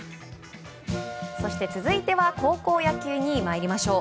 そして続いては高校野球に参りましょう。